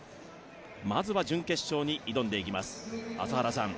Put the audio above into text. まずは準決勝に挑んでいきます。